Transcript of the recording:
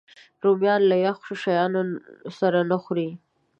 رومیان له یخو شیانو سره نه خوري